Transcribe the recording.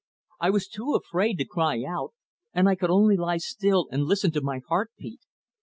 I was too afraid to cry out, and I could only lie still and listen to my heart beat.